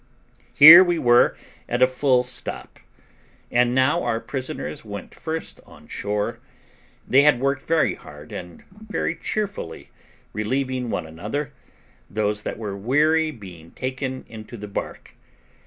Here we were at a full stop, and now our prisoners went first on shore; they had worked very hard and very cheerfully, relieving one another, those that were weary being taken into the bark.